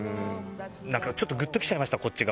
なんかちょっとグッときちゃいましたこっちが。